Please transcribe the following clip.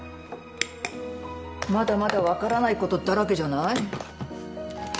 まだまだわからないことだらけじゃない？